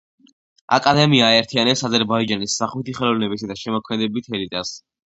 აკადემია აერთიანებს აზერბაიჯანის სახვითი ხელოვნებისა და შემოქმედებით ელიტას.